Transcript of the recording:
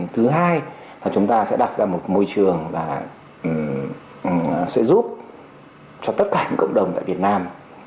thứ hai là chúng ta sẽ đặt ra một môi trường là sẽ giúp cho tất cả những cộng đồng tại việt nam